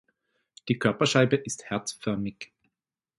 Die Körperscheibe ist herzförmig.